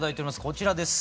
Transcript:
こちらです。